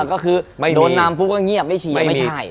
ก็คือโดนนำปุ๊บก็เงียบไม่เชียร์ไม่ใช่